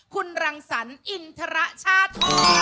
คุณรังสรรอินทรชาโท